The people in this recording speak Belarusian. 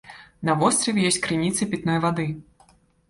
На востраве ёсць крыніцы пітной вады.